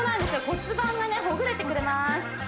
骨盤がねほぐれてくれます